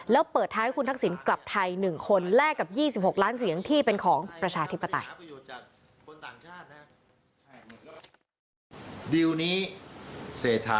แล้วเปิดท้ายให้คุณทักษิณกลับไทย๑คนแลกกับ๒๖ล้านเสียงที่เป็นของประชาธิปไตย